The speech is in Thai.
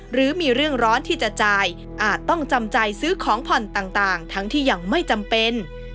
หรือมีเรื่องร้อนที่จะจ่ายอาจต้องจำใจซื้อของผ่อนต่างทั้งที่ยังไม่จำเป็น